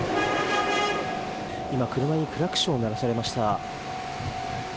今、車にクラクションを鳴らされました。